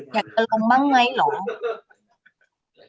อยากเติมบ้างไหมเหรอ